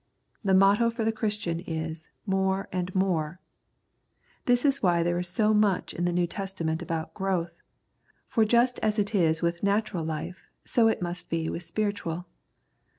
The motto for the Christian is " more and more." This is v^hy there is so much in the New Testament about growth, for just as it is with natural life so it must be with spiritual.